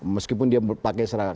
meskipun dia pakai serangan